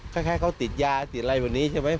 คล้ายเขาติดยาติดอะไรแบบนี้ใช่ไหม